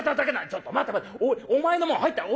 「ちょっと待て待て！お前のもん入ってない。